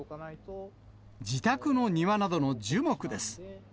自宅の庭などの樹木です。